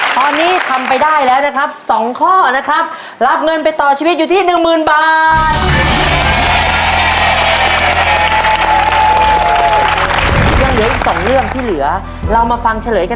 ตอนนี้ทำไปได้แล้วนะครับ๒ข้อนะครับรับเงินไปต่อชีวิตอยู่ที่หนึ่งหมื่นบาท